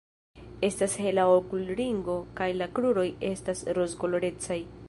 Estas hela okulringo kaj la kruroj estas rozkolorecaj.